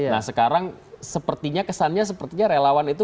nah sekarang sepertinya kesannya sepertinya relawan itu